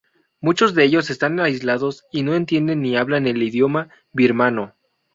Muchos de ellos están aislados y no entienden ni hablan el idioma birmano.